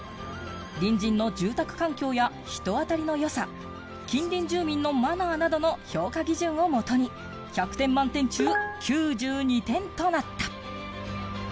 隣人の住宅環境や、人当たりの良さ、近隣住民のマナーなどの評価基準をもとに１００点満点中９２点となった。